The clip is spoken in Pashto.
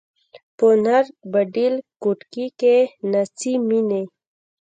په نرنګ، باډېل کوټکي کښي ناڅي میني